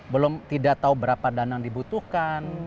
belum tidak tahu berapa dana yang dibutuhkan